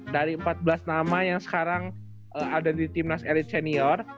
dari empat belas nama yang sekarang ada di timnas elit senior